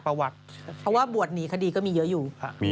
เพราะว่าบวชหนีคดีก็มีเยอะอยู่